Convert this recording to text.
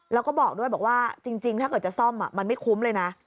แล้วก็บอกด้วยบอกว่าจริงถ้าเกิดจะซ่อมมันไม่คุ้มเลยนะ